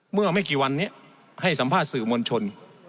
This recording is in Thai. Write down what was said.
เมื่อไม่กี่วันนี้ให้สัมภาษณ์สื่อมวลชน